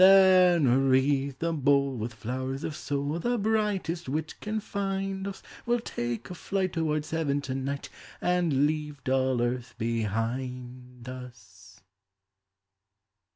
Then wreathe the bowl With flowers of soul. The brightest wit can find us; We'll take a flight Towards heaven to night. And leave dull earth behind us!